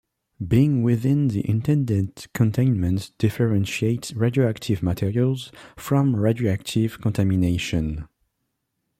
Being within the intended Containment differentiates radioactive "material" from radioactive "contamination".